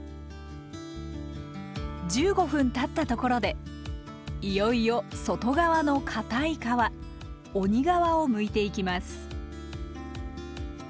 １５分たったところでいよいよ外側のかたい皮「鬼皮」をむいていきます。